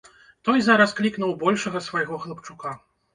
Той зараз клікнуў большага свайго хлапчука.